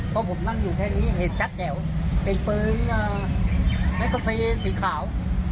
เพราะผมนั่งอยู่แค่นี้เห็นจัดแหลวเป็นเปลืองอ่าแม็กซีสีขาว